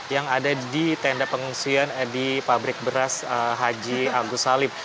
yang ada di tenda pengungsian di pabrik beras haji agus salib